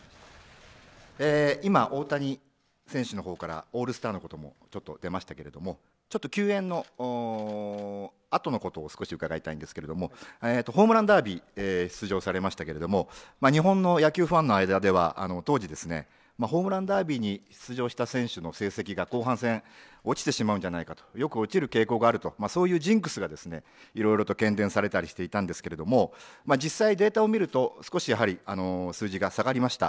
今、大谷選手のほうからオールスターのこともちょっと出ましたけれどもちょっと球宴の後のことを少し伺いたいんですけれども、ホームランダービーに出場されましたけれども日本の野球ファンの間では当時、ホームランダービーに出場した選手の成績が後半戦、落ちてしまうんじゃないかとよく落ちる傾向があるとそういうジンクスがいろいろと喧伝されたりしていたんですけど実際データで見ると少しやはり数字が下がりました。